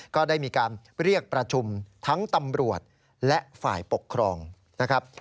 ก็ได้มีการเรียกประชุมทั้งตำรวจและฝ่ายปกครองนะครับ